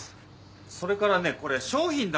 それからねこれ商品だから。